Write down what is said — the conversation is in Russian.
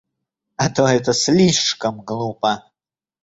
А то это слишком глупо!